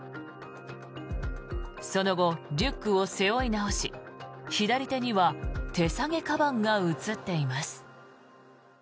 その後、リュックを背負い直し左手には手提げかばんが映っています。